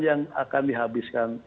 yang akan dihabiskan